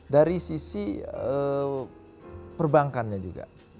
dari sisi perbankannya juga